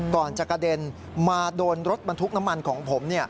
ก่อนจะกระเด็นมาโดนรถบรรทุกน้ำมันของผม